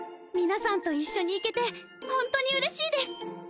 皆さんと一緒に行けてホントにうれしいです。